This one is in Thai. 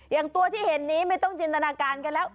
อย่างตัวที่เห็นนี้ไม่ต้องจินตนาการกันแล้ว